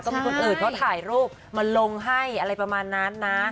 มีคนอื่นเขาถ่ายรูปมาลงให้อะไรประมาณนั้นนะ